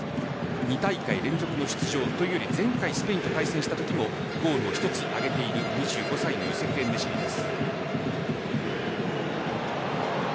２大会連続の出場というより前回スペインと対戦したときもゴールを１つ上げている２５歳のエンネシリです。